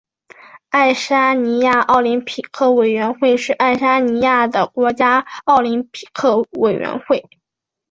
爱沙尼亚奥林匹克委员会是爱沙尼亚的国家奥林匹克委员会。